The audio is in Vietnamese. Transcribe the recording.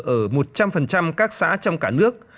ở một trăm linh các xã trong cả nước